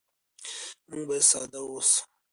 موږ باید ساده واوسو.